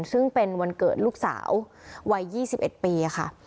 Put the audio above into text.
ซึ่งเป็นวันเกิดลูกสาววัย๒๑ปีค่ะ